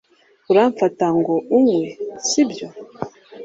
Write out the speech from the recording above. Uramfata ngo unywe, sibyo?